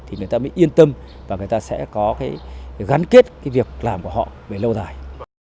thì người ta mới yên tâm và người ta sẽ có cái gắn kết cái việc làm của họ về lâu dài